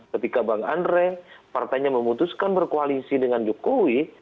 ketika bang andre partainya memutuskan berkoalisi dengan jokowi